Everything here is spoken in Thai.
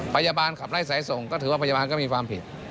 พยาบาลขับไล่สายส่งก็ถือว่าพยาบาลก็มีความผิด